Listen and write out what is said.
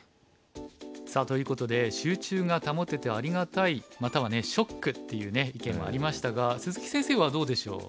さあということで「集中が保ててありがたい」またはね「ショック」っていうね意見もありましたが鈴木先生はどうでしょう。